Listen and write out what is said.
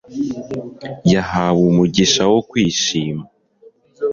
yahawe umugisha wo kwishima.